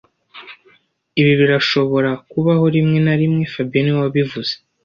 Ibi birashobora kubaho rimwe na rimwe fabien niwe wabivuze